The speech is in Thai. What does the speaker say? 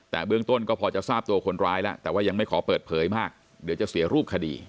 แต่เบื้องต้นก็พอจะทราบตัวคนร้ายแล้วแต่ว่ายังไม่ขอเปิดเผยมากเดี๋ยวจะเสียรูปคดี